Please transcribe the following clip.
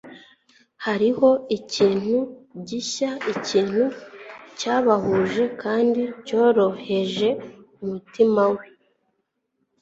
hariho ikintu gishya, ikintu cyabahuje kandi cyoroheje mumutima we